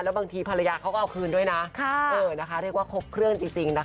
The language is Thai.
บางทีภรรยาเขาก็เอาคืนด้วยนะเรียกว่าครบเครื่องจริงนะคะ